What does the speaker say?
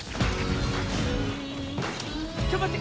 ちょっとまって。